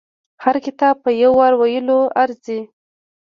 هر کتاب په يو وار ویلو ارزي.